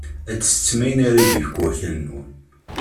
Ad tettettem ayen ara d-yefk wakal-nwen.